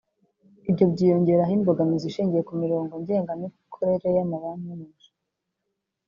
Ibyo byiyongeraho imbogamizi ishingiye ku mirongo ngengamikorere y’amabanki yo mu Bushinwa